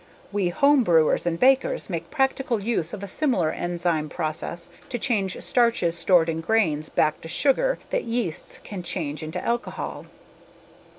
We homebrewers and bakers make practical use of a similar enzyme process to change starches stored in grains back to sugar that yeasts can change into alcohol.